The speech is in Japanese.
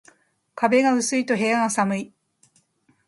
壁が薄いと部屋が寒い